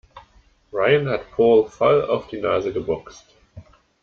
Rayen hat Paul voll auf die Nase geboxt.